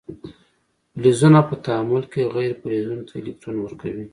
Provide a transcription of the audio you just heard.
فلزونه په تعامل کې غیر فلزونو ته الکترون ورکوي.